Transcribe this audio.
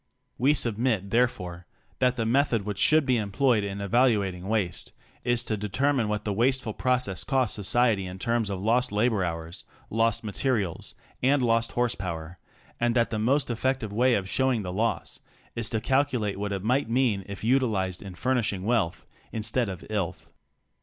We submit therefore that the method which should be em ployed in evaluating waste, is to determine what the waste ful process costs society in terms of lost labor hours, lost materials, and lost horsepower, and that the most effective way of showing the loss is to calculate what it might mean if utilized in furnishing wealth — instead of — "illth."